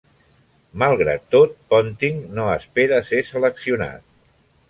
Malgrat tot, Ponting no espera ser seleccionat.